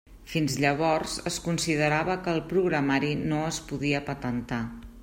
Fins llavors, es considerava que el programari no es podia patentar.